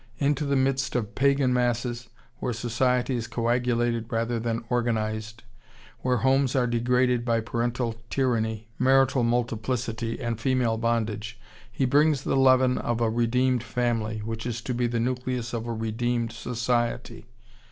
Into the midst of pagan masses, where society is coagulated rather than organized, where homes are degraded by parental tyranny, marital multiplicity, and female bondage, he brings the leaven of a redeemed family, which is to be the nucleus of a redeemed society....